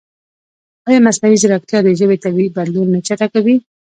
ایا مصنوعي ځیرکتیا د ژبې طبیعي بدلون نه چټکوي؟